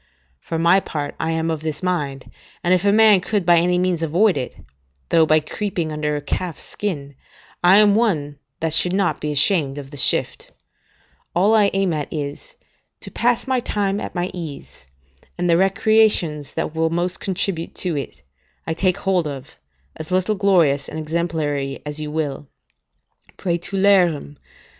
For my part, I am of this mind, and if a man could by any means avoid it, though by creeping under a calf's skin, I am one that should not be ashamed of the shift; all I aim at is, to pass my time at my ease, and the recreations that will most contribute to it, I take hold of, as little glorious and exemplary as you will: "Praetulerim